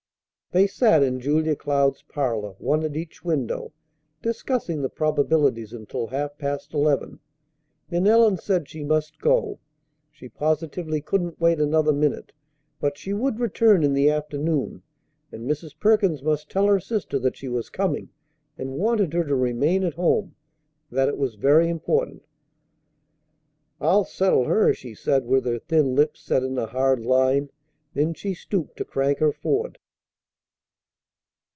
They sat in Julia Cloud's parlor, one at each window, discussing the probabilities until half past eleven. Then Ellen said she must go. She positively couldn't wait another minute; but she would return, in the afternoon, and Mrs. Perkins must tell her sister that she was coming and wanted her to remain at home. That it was very important. "I'll settle her!" she said with her thin lips set in a hard line. Then she stooped to crank her Ford.